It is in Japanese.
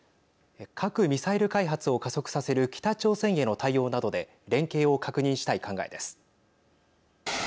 核・ミサイル開発を加速させる北朝鮮への対応などで連携を確認したい考えです。